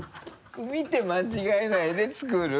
見て間違えないで作る。